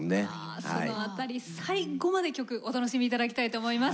ああその辺り最後まで曲お楽しみ頂きたいと思います。